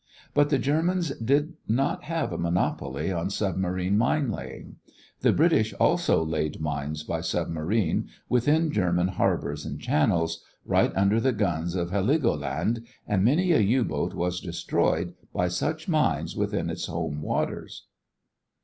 But the Germans did not have a monopoly on submarine mine laying. The British also laid mines by submarine within German harbors and channels, right under the guns of Heligoland, and many a U boat was destroyed by such mines within its home waters.